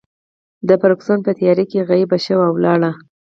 فرګوسن په تیارې کې غیبه شوه او ولاړه.